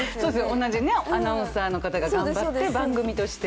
同じアナウンサーの方が頑張って、番組として。